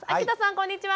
こんにちは。